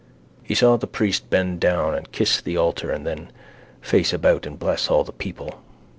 He saw the priest bend down and kiss the altar and then face about and bless all the people.